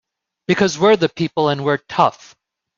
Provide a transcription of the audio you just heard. Because we're the people and we're tough!